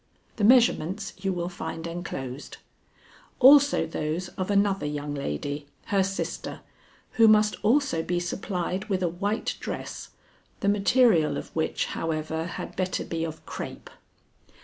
The measurements you will find enclosed; also those of another young lady, her sister, who must also be supplied with a white dress, the material of which, however, had better be of crape.